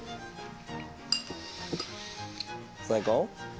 最高？